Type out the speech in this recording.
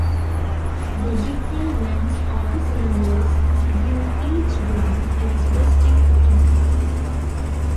The different lengths of the cylinders give each drum its distinct tone.